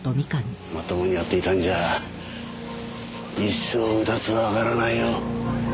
まともにやっていたんじゃ一生うだつは上がらないよ。